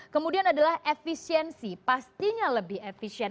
kemudian adalah efisiensi pastinya lebih efisien